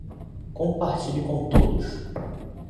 Compartilhe com todos